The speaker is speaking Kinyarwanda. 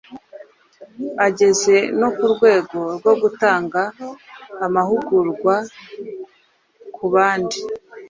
ageze no ku rwego rwo gutanga amahugurwa ku bandi